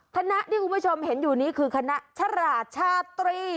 คณะที่คุณผู้ชมเห็นอยู่นี้คือคณะชราชตรี